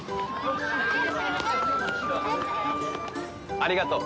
ありがとう！